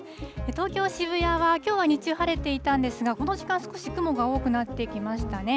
東京・渋谷はきょうは日中晴れていたんですが、この時間少し雲が多くなってきましたね。